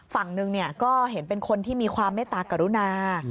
ฝั่งหนึ่งก็เห็นเป็นคนที่มีความเมตตากรุณา